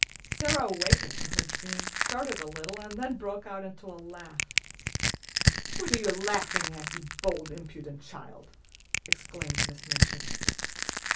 Sara awakened from her dream, started a little, and then broke into a laugh. "What are you laughing at, you bold, impudent child!" exclaimed Miss Minchin.